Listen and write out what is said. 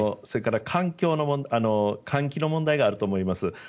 それから換気の問題があると思います。